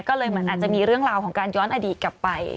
ก็เลยเหมือนอาจจะมีเรื่องราวของการย้อนอดีตกลับไป